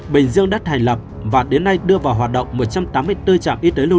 bình dương đắt thành lập và đến nay đưa vào hoạt động một trăm tám mươi bốn triệu